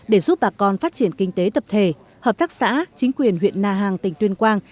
để giúp bà con phát triển kinh tế tập thể hợp tác xã chính quyền huyện na hàng tỉnh tuyên quang